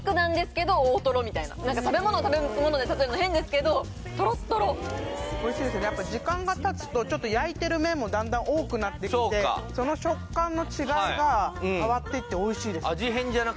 みたいな食べ物を食べ物で例えるの変ですけどおいしいですねやっぱ時間がたつと焼いてる面もだんだん多くなってきてその食感の違いが変わっていっておいしいです